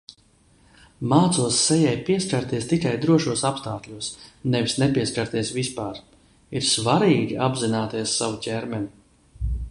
Mācos sejai pieskarties tikai drošos apstākļos, nevis nepieskarties vispār. Ir svarīgi apzināties savu ķermeni.